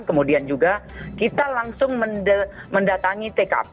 kemudian juga kita langsung mendatangi tkp